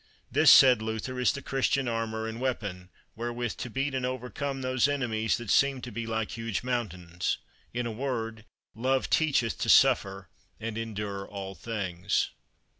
This, said Luther, is the Christian armour and weapon, wherewith to beat and overcome those enemies that seem to be like huge mountains. In a word, love teacheth to suffer and endure all things.